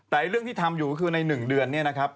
แต่เรื่องที่ทำอยู่ก็คือใน๑เดือนเนี่ยนะครับ